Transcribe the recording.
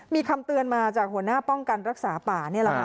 มีคำเตือนมาจากหัวหน้าป้องกันรักษาป่านี่แหละค่ะ